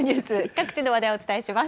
各地を話題をお伝えします。